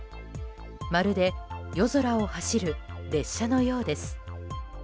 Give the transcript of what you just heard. まるで夜空を走る列車のようです。